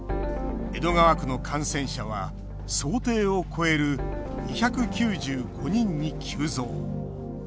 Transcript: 江戸川区の感染者は想定を超える２９５人に急増。